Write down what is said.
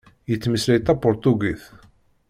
Yettmeslay tapuṛtugit.